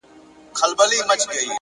لوړ همت د محدودو شرایطو بندیوان نه وي.